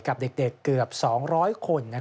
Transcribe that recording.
กับเด็กเกือบ๒๐๐คน